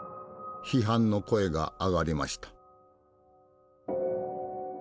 批判の声が上がりました。